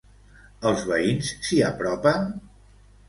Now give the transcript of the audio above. Els veïns s'hi apropen?